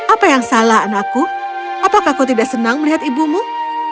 apa yang salah anakku apakah kau tidak senang melihat ibumu